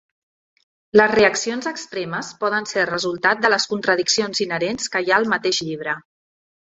Les reaccions extremes poden ser resultat de les contradiccions inherents que hi ha al mateix llibre.